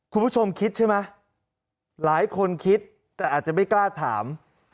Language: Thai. คุณผู้ชมคิดใช่ไหมหลายคนคิดแต่อาจจะไม่กล้าถาม